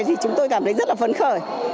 thì chúng tôi cảm thấy rất là phấn khởi